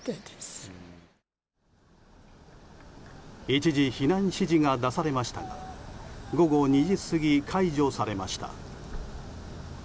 一時避難指示が出されましたが午後２時過ぎ、解除されました。